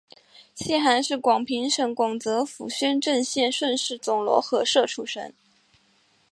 谢涵是广平省广泽府宣政县顺示总罗河社出生。